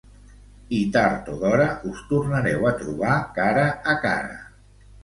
I tard o d'hora us tornareu a trobar cara a cara.